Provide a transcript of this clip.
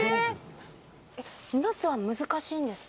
ナスは難しいんですか？